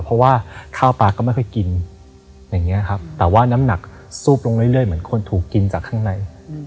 เพราะว่าข้าวปลาก็ไม่ค่อยกินอย่างนี้ครับแต่ว่าน้ำหนักซูบลงเรื่อยเหมือนคนถูกกินจากข้างใน